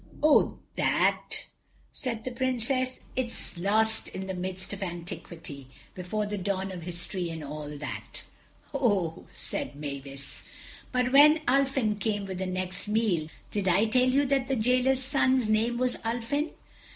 "Oh, that," said the Princess, "is lost in the mists of antiquity, before the dawn of history and all that." "Oh," said Mavis. But when Ulfin came with the next meal—did I tell you that the Jailer's son's name was Ulfin?